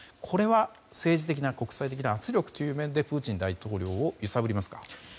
これは、政治的な国際的な圧力という面でプーチン大統領を揺さぶりますか？